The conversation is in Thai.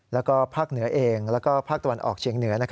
แล้วก็ภาคเหนือเองแล้วก็ภาคตะวันออกเชียงเหนือ